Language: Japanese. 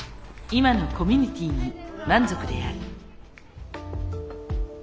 今のコミュニティーに満足である。